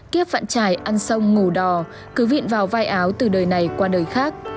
kiếp vạn trải ăn xong ngủ đò cứ vịn vào vai áo từ đời này qua đời khác